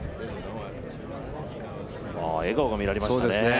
笑顔が見られましたね。